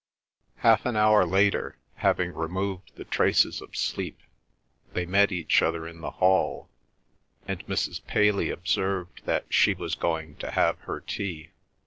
Half an hour later, having removed the traces of sleep, they met each other in the hall, and Mrs. Paley observed that she was going to have her tea.